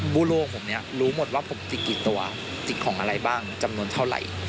ผู้โลกผมเนี่ยรู้หมดว่าผมจิกกี่ตัวจิกของอะไรบ้างจำนวนเท่าไหร่